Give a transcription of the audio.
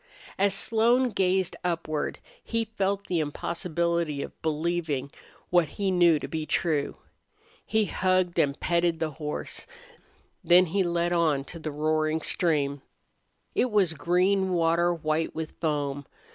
As Slone gazed upward he felt the impossibility of believing what he knew to be true. He hugged and petted the horse. Then he led on to the roaring stream. It was green water white with foam.